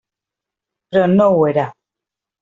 Però no ho era.